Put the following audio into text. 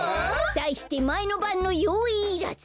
だいしてまえのばんのよういいらず！